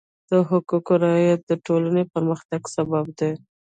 د حقوقو رعایت د ټولنې پرمختګ سبب دی.